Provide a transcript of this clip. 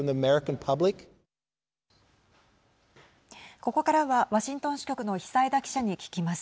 ここからはワシントン支局の久枝記者に聞きます。